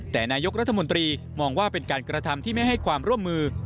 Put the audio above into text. แต่นายกรัฐมนตรีมองว่าเป็นการกระทำที่ไม่ให้ความร่วมมือ